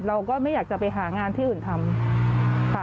เราก็ไม่อยากจะไปหางานที่อื่นทำค่ะ